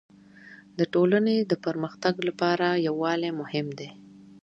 د ټولني د پرمختګ لپاره يووالی مهم دی.